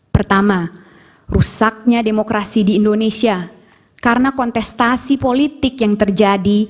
pertama rusaknya demokrasi di indonesia karena kontestasi politik yang terjadi